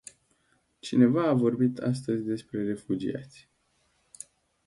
Cineva a vorbit astăzi despre refugiați.